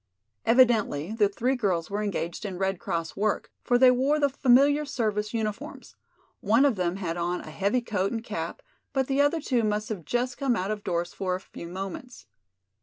Evidently the three girls were engaged in Red Cross work, for they wore the familiar service uniforms. One of them had on a heavy coat and cap, but the other two must have just come out of doors for a few moments.